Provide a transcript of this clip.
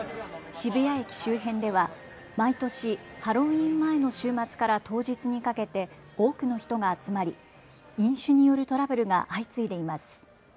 渋谷駅周辺では毎年ハロウィーン前の週末から当日にかけて多くの人が集まり飲酒によるトラブルが相次いでいます。